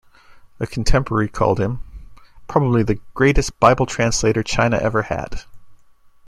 A contemporary called him "Probably the greatest Bible translator China ever had".